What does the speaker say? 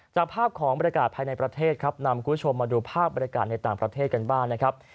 จากภาพของบรรยากาศภายในประเทศครับนำคุณผู้ชมมาดูภาพบรรยากาศในต่างประเทศกันบ้างนะครับ